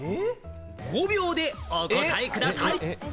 ５秒でお答えください。